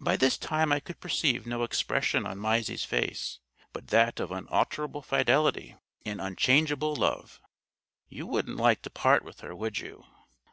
By this time I could perceive no expression on Mysie's face but that of unalterable fidelity and unchangeable love. "You wouldn't like to part with her, would you?"